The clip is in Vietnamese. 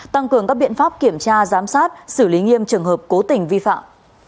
tăng cường các biện pháp kiểm tra giám sát xử lý nghiêm trường hợp cố tình vi phạm